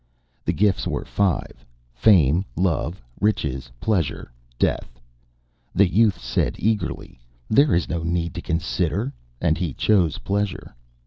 The gifts were five: Fame, Love, Riches, Pleasure, Death. The youth said, eagerly: "There is no need to consider"; and he chose Pleasure.